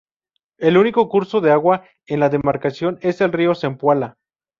El único curso de agua en la demarcación es el río Zempoala.